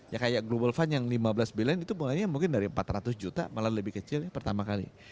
ya kayak global fund yang lima belas billion itu bunganya mungkin dari empat ratus juta malah lebih kecil ya pertama kali